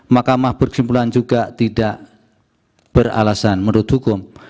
mahkamah berkesimpulan juga tidak beralasan menurut hukum